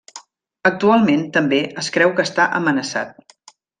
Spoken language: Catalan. Actualment, també, es creu que està amenaçat.